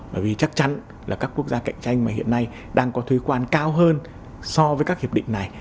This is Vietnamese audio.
bởi vì chắc chắn là các quốc gia cạnh tranh mà hiện nay đang có thuê quan cao hơn so với các hiệp định này